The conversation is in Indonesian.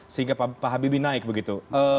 sehingga pak habibie naik begitu